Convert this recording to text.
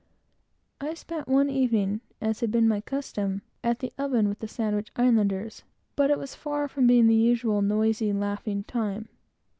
I spent one evening, as had been my custom, at the oven with the Sandwich Islanders; but it was far from being the usual noisy, laughing time.